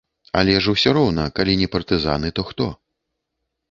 Але ж усё роўна, калі не партызаны, то хто?